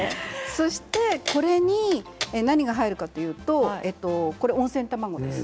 そして、これに何が入るかというと温泉卵です。